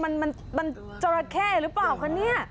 อ๋อนี่มันจราแค่หรือเปล่าคะนี่